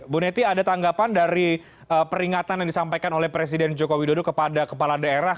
bu neti ada tanggapan dari peringatan yang disampaikan oleh presiden joko widodo kepada kepala daerah